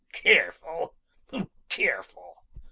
"Careful! Careful!"